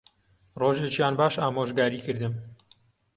ڕۆژێکیان باش ئامۆژگاریی کردم